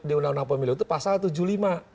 di undang undang pemilu itu pasal tujuh puluh lima